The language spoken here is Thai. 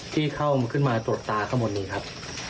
ที่เข้ามาตรวจตาข้างบนนี้ครับ